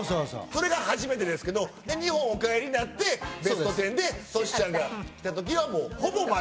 それが初めてですけどで日本お帰りになって『ベストテン』でトシちゃんが来た時はもう。